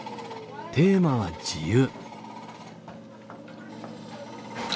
テーマは自由。